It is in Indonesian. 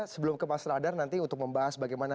sebelum ke mas radar nanti untuk membahas bagaimana